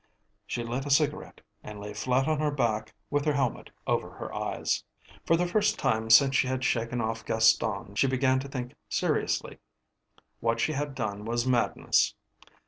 She lit a cigarette and lay flat on her back with her helmet over her eyes. For the first time since she had shaken off Gaston she began to think seriously. What she had done was madness.